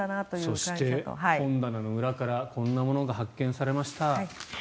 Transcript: そして本棚の裏からこんなものが発見されました。